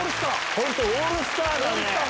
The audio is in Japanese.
本当オールスターだね。